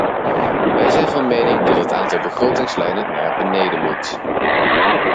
Wij zijn van mening dat het aantal begrotingslijnen naar beneden moet.